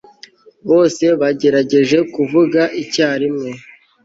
bose bagerageje kuvuga icyarimwe